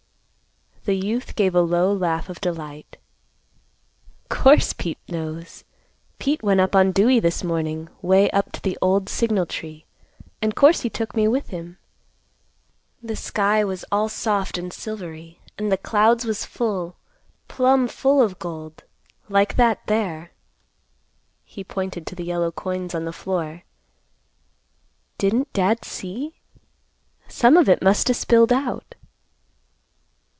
The youth gave a low laugh of delight; "Course Pete knows. Pete went up on Dewey this morning; 'way up to the old signal tree, and course he took me with him. The sky was all soft and silvery, an' the clouds was full, plumb full of gold, like that there." He pointed to the yellow coins on the floor. "Didn't Dad see? Some of it must o' spilled out."